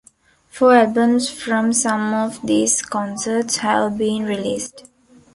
Four albums from some of these concerts have been released.